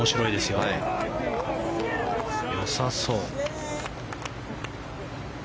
よさそう。